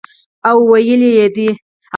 او ویلي یې دي